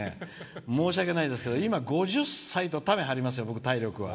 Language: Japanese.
申し訳ないですけど今、５０歳と張りますよ。